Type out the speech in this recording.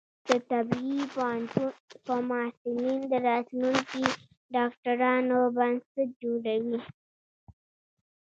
د طبی پوهنتون محصلین د راتلونکي ډاکټرانو بنسټ جوړوي.